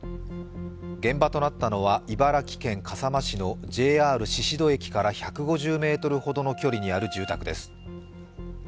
現場となったのは、茨城県笠間市のＪＲ宍戸駅から１５０ｍほどの距離にある住宅です。